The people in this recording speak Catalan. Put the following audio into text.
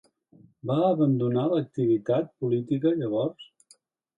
Va abandonar l'activitat política llavors?